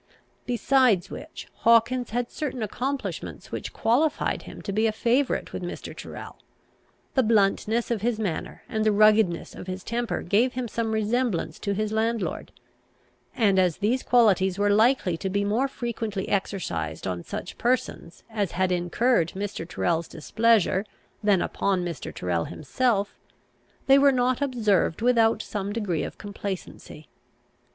Beside which, Hawkins had certain accomplishments which qualified him to be a favourite with Mr. Tyrrel. The bluntness of his manner and the ruggedness of his temper gave him some resemblance to his landord; and, as these qualities were likely to be more frequently exercised on such persons as had incurred Mr. Tyrrel's displeasure, than upon Mr. Tyrrel himself, they were not observed without some degree of complacency.